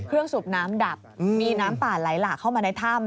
สูบน้ำดับมีน้ำป่าไหลหลากเข้ามาในถ้ำ